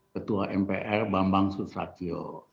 ketua mpr bambang susatyo